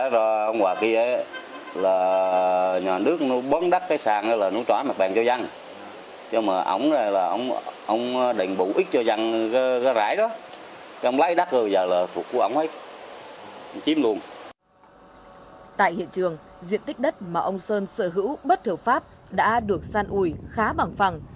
tại hiện trường diện tích đất mà ông sơn sở hữu bất thiểu pháp đã được san ủi khá bằng phẳng